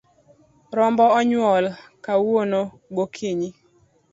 Rombo onyuol kawuono gokinyi.